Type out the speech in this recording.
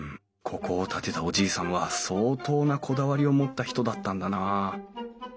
ここを建てたおじいさんは相当なこだわりを持った人だったんだなあ。